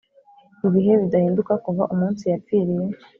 ibihe, bidahinduka kuva umunsi yapfiriye.